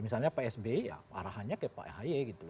misalnya pak sb ya arahannya kayak pak ahaye gitu